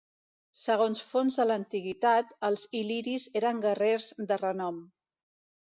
Segons fonts de l'antiguitat, els il·liris eren guerres de renom.